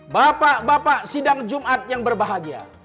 bapak bapak sidang jumat yang berbahagia